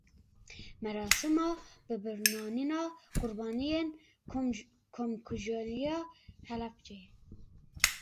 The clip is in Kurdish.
Merasîma bibîranîna qurbaniyên Komkujiya Helebceyê.